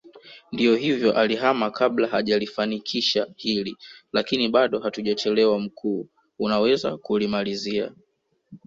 Ndio hivyo alihama kabla hajalifanikisha hili lakini bado hatujachelewa mkuu unaweza kulimalizia